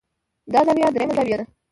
دا زاويه درېيمه زاويه ده